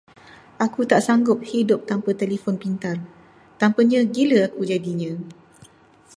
Aku tak sanggup hidup tanpa telefon pintar, tanpanya gila aku jadinya.